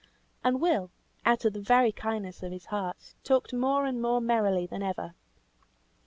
And Will, out of the very kindness of his heart, talked more and more merrily than ever.